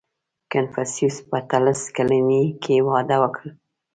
• کنفوسیوس په اتلس کلنۍ کې واده وکړ.